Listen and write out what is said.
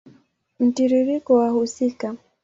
Mtiririko wa wahusika